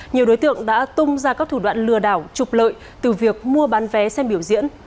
nhiều đối tượng đã tung ra các thủ đoạn lừa đảo trục lợi từ việc mua bán vé xem biểu diễn